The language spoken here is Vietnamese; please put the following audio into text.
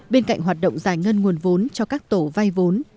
bên cạnh hoạt động giải ngân nguồn vốn cho các tổ vay vốn